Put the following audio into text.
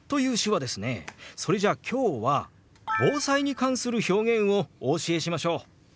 それじゃあ今日は防災に関する表現をお教えしましょう！